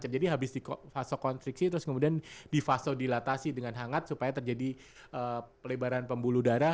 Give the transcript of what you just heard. jadi habis di vasokonstriksi terus kemudian di vasodilatasi dengan hangat supaya terjadi pelibaran pembuluh darah